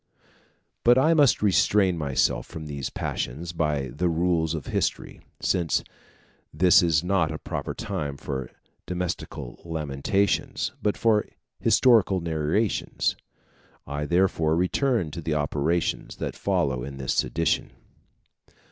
But I must restrain myself from these passions by the rules of history, since this is not a proper time for domestical lamentations, but for historical narrations; I therefore return to the operations that follow in this sedition.